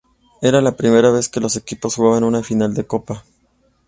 Era la primera vez que los equipos jugaban una final de copa.